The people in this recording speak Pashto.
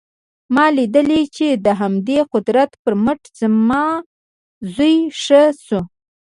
ما لیدلي چې د همدې قدرت پر مټ زما زوی ښه شو